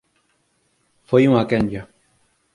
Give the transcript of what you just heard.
Foi unha quenlla